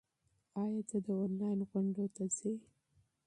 ایا ته آنلاین غونډو ته ځې؟